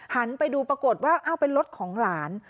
หันไปดูปรากฏว่าอ้าวเป็นรถของหลาน